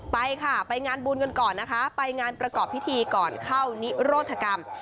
ไปค่ะไปงานบุญกันก่อนนะคะไปงานประกอบพิธีก่อนเข้านิโรธกรรม